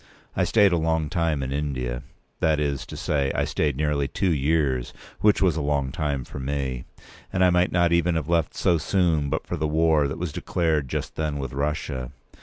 I stayed a long time in India; that is to say, I stayed nearly two years, which was a long time for me; and I might not even have left so soon, but for the war that was declared just then with Russia.